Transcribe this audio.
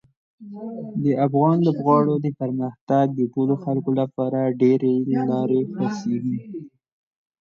د افغان لوبغاړو د پرمختګ د ټولو خلکو لپاره ډېرې لارې خلاصیږي.